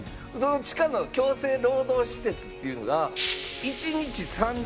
その地下の強制労働施設っていうのが１日３５００